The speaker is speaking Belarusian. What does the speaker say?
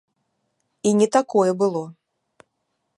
І не такое было!